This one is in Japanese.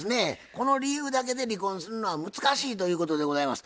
この理由だけで離婚するのは難しいということでございます。